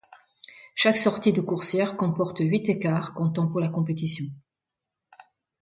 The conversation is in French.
Chaque sortie de coursière comporte huit écarts comptant pour la compétition.